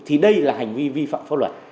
thì đây là hành vi vi phạm pháp luật